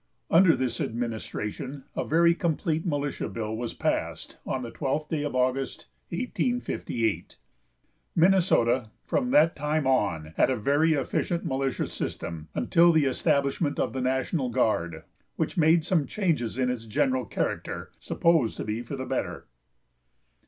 Under this administration a very complete militia bill was passed, on the twelfth day of August, 1858. Minnesota from that time on had a very efficient militia system, until the establishment of the national guard, which made some changes in its general character, supposed to be for the better.